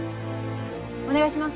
お願いします。